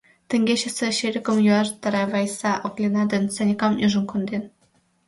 Теҥгечысе чырыкым йӱаш Тарай Вайса Оклина ден Санькам ӱжын конден.